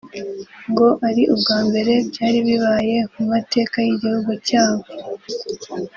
ngo ari ubwa mbere byari bibaye mu mateka y’igihugu cya bo